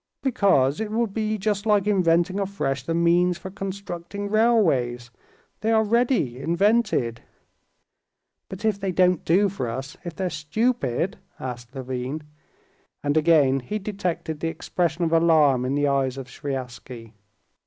"Because it would be just like inventing afresh the means for constructing railways. They are ready, invented." "But if they don't do for us, if they're stupid?" said Levin. And again he detected the expression of alarm in the eyes of Sviazhsky.